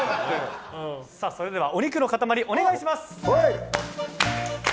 それではお肉の塊、お願いします。